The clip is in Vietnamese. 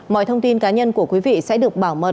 mọi thông tin cá nhân của quý vị sẽ được bảo mật